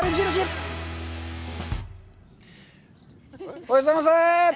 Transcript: おはようございます。